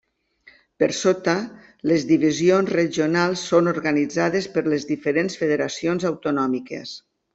Per sota, les divisions regionals són organitzades per les diferents federacions autonòmiques.